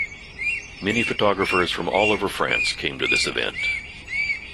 Many photographers from all over France came to this event.